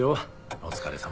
お疲れさま。